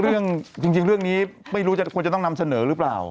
เรื่องจริงเรื่องนี้ไม่รู้จะควรจะต้องนำเสนอหรือเปล่า